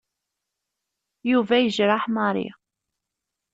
Yuba yejreḥ Mary.